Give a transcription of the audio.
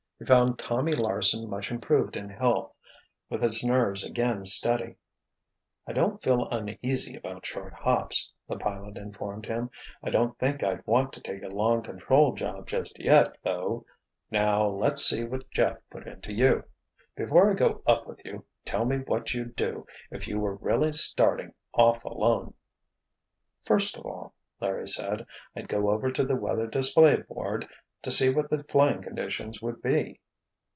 He found Tommy Larsen much improved in health, with his nerves again steady. "I don't feel uneasy about short hops," the pilot informed him. "I don't think I'd want to take a long control job just yet, though. Now let's see what Jeff put into you. Before I go up with you, tell me what you'd do if you were really starting off alone." "First of all," Larry said, "I'd go over to the weather display board, to see what the flying conditions would be."